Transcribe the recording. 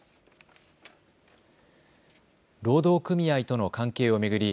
労働組合との関係を巡り